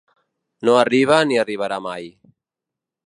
No arriba ni arribarà mai.